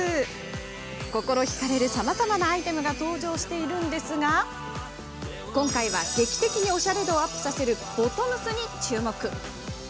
心ひかれるさまざまなアイテムが登場しているんですが今回は劇的におしゃれ度をアップさせるボトムスに注目。